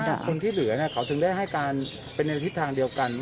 แล้วทำไม๕คนที่เหลือเขาถึงได้ให้การเป็นในทิศทางเดียวกัน